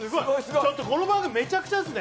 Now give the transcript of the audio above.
ちょっとこの番組、めちゃくちゃですね。